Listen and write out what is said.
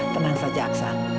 tenang saja aksan